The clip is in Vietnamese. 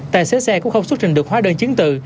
tài xế xe cũng không xuất trình được hóa đơn chiến tự